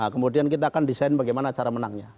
kemudian kita akan desain bagaimana cara menangnya